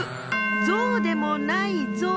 ゾウでもないゾウ。